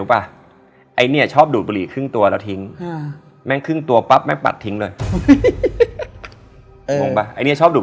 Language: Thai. ปกติจุดแล้วเป็นไง